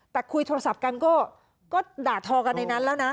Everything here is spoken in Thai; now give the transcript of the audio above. แต่คุยโทรศัพท์กันก็ด่าทอกันในนั้นแล้วนะ